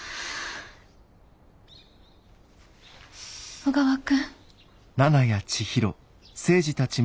小川君。